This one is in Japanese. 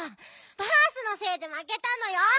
バースのせいでまけたのよ！